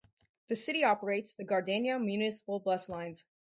The city operates the Gardena Municipal Bus Lines.